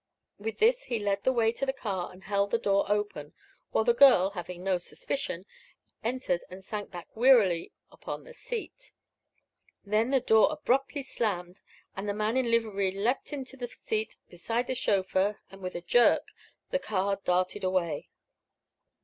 With this he led the way to the car and held the door open, while the girl, having no suspicion, entered and sank back wearily upon the seat. Then the door abruptly slammed, and the man in livery leaped to the seat beside the chauffeur and with a jerk the car darted away.